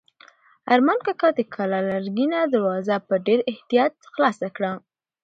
ارمان کاکا د کلا لرګینه دروازه په ډېر احتیاط خلاصه کړه.